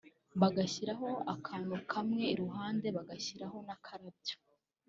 bagashyiraho akantu kamwe iruhande bagashyiraho n’akarabyo